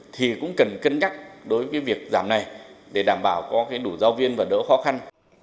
thì cũng cần cân nhắc đối với việc giảm này để đảm bảo có đủ giáo viên và đỡ khó khăn